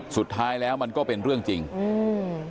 สุดท้ายแล้วมันก็เป็นเรื่องจริงอืม